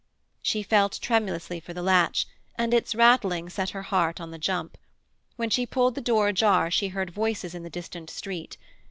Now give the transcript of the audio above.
She felt tremulously for the latch; it gave, and its rattling set her heart on the jump. When she pulled the door ajar she heard voices in the distant street.